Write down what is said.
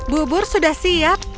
bubur sudah siap